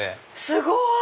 すごい！